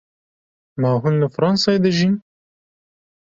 Ma hûn li Fransayê dijîn?